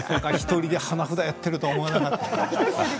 １人で花札やってると思わなかった。